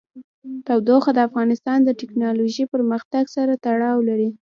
تودوخه د افغانستان د تکنالوژۍ پرمختګ سره تړاو لري.